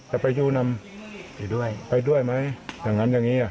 ไปยูนำไปด้วยไปด้วยไหมอย่างนั้นอย่างนี้อ่ะ